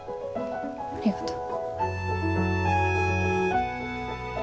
ありがとう。